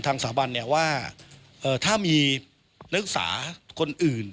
สาบันเนี่ยว่าถ้ามีนักศึกษาคนอื่น